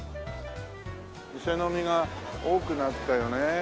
店飲みが多くなったよね。